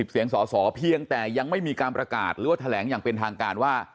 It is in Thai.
เสียงสอสอเพียงแต่ยังไม่มีการประกาศหรือว่าแถลงอย่างเป็นทางการว่า